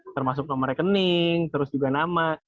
termasuk nomor rekening terus juga nama